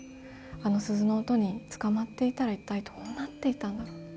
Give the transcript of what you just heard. あの鈴の音に捕まってたら一体どうなっていたんだろう？